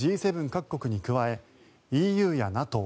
各国に加えＥＵやＮＡＴＯ